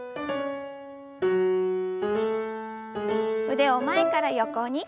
腕を前から横に。